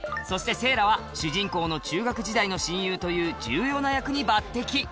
そしてせいらは主人公の中学時代の親友という重要な役に抜てき。